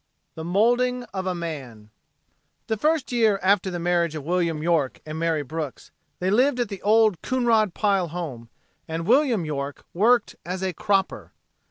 IV The Molding of a Man The first year after the marriage of William York and Mary Brooks, they lived at the Old Coonrod Pile home, and William York worked as a "cropper."